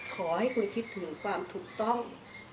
ขอให้คุณคิดถึงความถูกต้อง